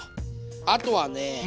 あとはね